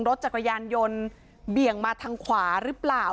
รถจักรยานยนต์เบี่ยงมาทางขวาหรือเปล่า